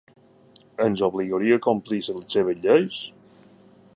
Ens obligaria a complir les seves lleis?